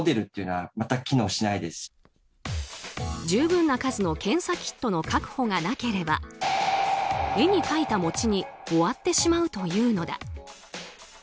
十分な数の検査キットの確保がなければ絵に描いた餅に終わってしまうというのだ。